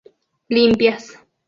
limpias